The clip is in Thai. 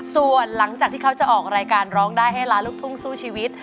ส่วนหลังจากที่เขาจะออกรายการร้องได้ให้ล้านลูกทุ่งสู้ชีวิต